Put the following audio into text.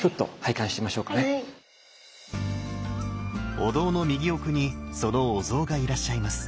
お堂の右奥にそのお像がいらっしゃいます。